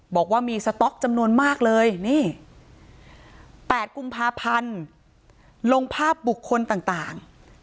บอกว่ามีสต๊อกจำนวนมากเลยนี่๘กุมภาพันธ์ลงภาพบุคคลต่าง